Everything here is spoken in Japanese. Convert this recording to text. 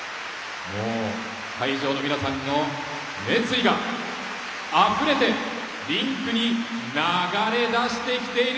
会場の皆さんの熱意があふれてリンクに流れ出してきている。